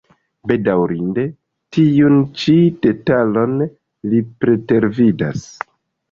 Bedaŭrinde, tiun ĉi detalon li pretervidas.